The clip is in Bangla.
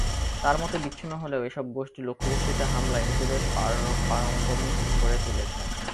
তাঁর মতে, বিচ্ছিন্ন হলেও এসব গোষ্ঠী লক্ষ্যবস্তুতে হামলায় নিজেদের পারঙ্গম করে তুলছে।